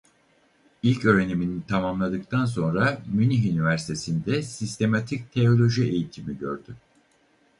İlköğrenimi tamamladıktan sonra Münih üniversitesinde sistematik teoloji eğitimi gördü.